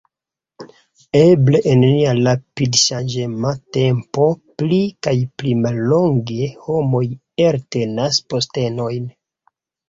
Eble en nia rapidŝanĝema tempo pli kaj pli mallonge homoj eltenas postenojn.